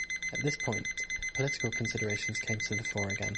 At this point, political considerations came to the fore again.